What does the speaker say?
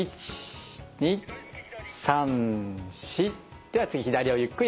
では次左をゆっくり上げます。